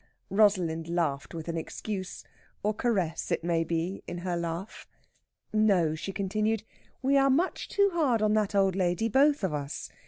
Rosalind laughed with an excuse or caress, it may be in her laugh. "No," she continued, "we are much too hard on that old lady, both of us.